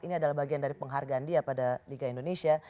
ini adalah bagian dari penghargaan dia pada liga indonesia